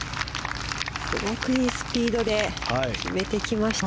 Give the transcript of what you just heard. すごくいいスピードで決めてきました。